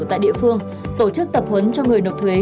tại địa phương tổ chức tập huấn cho người nộp thuế